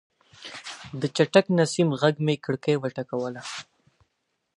د چټک نسیم غږ مې کړکۍ وټکوله.